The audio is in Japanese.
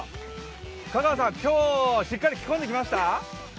香川さん、今日、しっかり着込んできました？